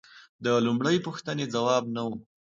د لومړۍ پوښتنې ځواب نه و